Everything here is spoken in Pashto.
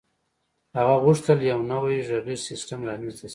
هغه غوښتل یو نوی غږیز سیسټم رامنځته شي